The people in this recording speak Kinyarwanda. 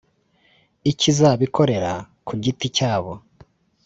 icy’izabikorera kugiti cyabo